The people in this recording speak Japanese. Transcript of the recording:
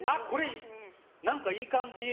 何かいい感じ。